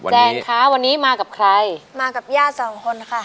แนนคะวันนี้มากับใครมากับญาติสองคนค่ะ